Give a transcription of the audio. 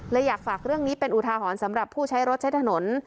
อยากฝากเรื่องนี้เป็นอุทาหรณ์สำหรับผู้ใช้รถใช้ถนน